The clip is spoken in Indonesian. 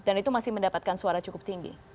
dan itu masih mendapatkan suara cukup tinggi